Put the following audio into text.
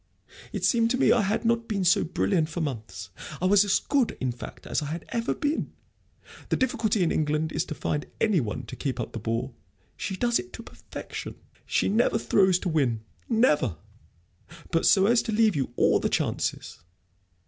It seemed to me I had not been so brilliant for months. I was as good, in fact, as I had ever been. The difficulty in England is to find any one to keep up the ball. She does it to perfection. She never throws to win never! but so as to leave you all the chances.